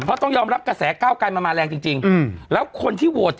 เพราะต้องยอมรับกระแสก้าวไกรมันมาแรงจริงแล้วคนที่โหวต